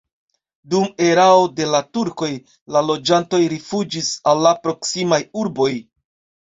Dum erao de la turkoj la loĝantoj rifuĝis al la proksimaj urboj.